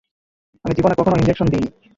আমি জীবনে কখনও ইনজেকশন দিইনি।